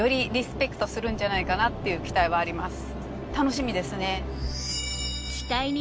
するんじゃないかなっていう期待はあります。